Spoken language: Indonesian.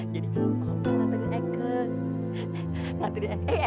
jadi ngaterin eke